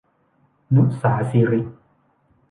ณุศาศิริ